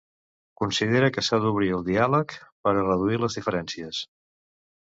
Considera que s'ha d'obrir el diàleg per a reduir les diferències.